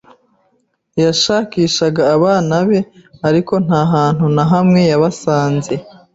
Yashakishaga abana be, ariko nta hantu na hamwe yabasanze.